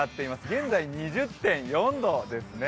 現在２０．４度ですね。